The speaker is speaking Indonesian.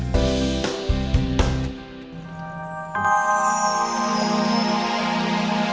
kau kuat dong